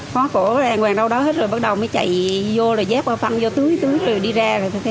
khó cổ là an hoàng đâu đó hết rồi bắt đầu mới chạy vô là dép qua phân vô tưới tưới rồi đi ra rồi thấy mắt xịn